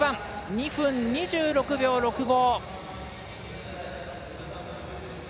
２分２６秒６５。